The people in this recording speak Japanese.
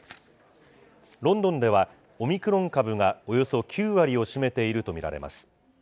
ロンドンでは、オミクロン株がおよそ９割を占めていると見られます。